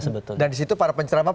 sebetulnya dan disitu para pencerama